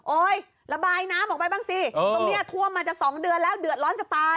ระบายน้ำออกไปบ้างสิตรงนี้ท่วมมาจะ๒เดือนแล้วเดือดร้อนจะตาย